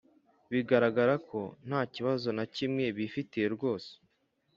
bigaragara ko ntakibazo nakimwe bifitiye rwose,